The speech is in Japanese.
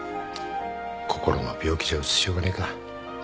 心の病気じゃ写しようがねえか。